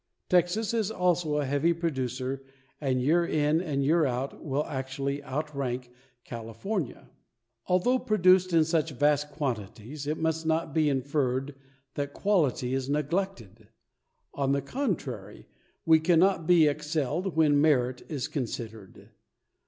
Texas is also a heavy producer and year in and year out will actually outrank California. Although produced in such vast quantities it must not be inferred that quality is neglected; on the contrary we cannot be excelled when merit is considered.